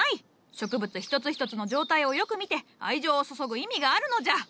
植物一つ一つの状態をよく見て愛情を注ぐ意味があるのじゃ。